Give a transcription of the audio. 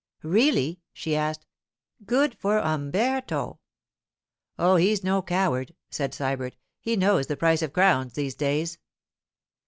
'Really?' she asked. 'Good for Umberto!' 'Oh, he's no coward,' said Sybert. 'He knows the price of crowns these days.